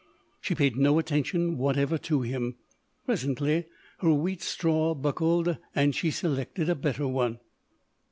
She paid no attention whatever to him. Presently her wheat straw buckled, and she selected a better one.